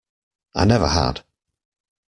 I never had.